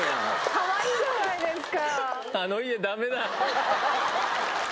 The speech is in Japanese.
かわいいじゃないですか。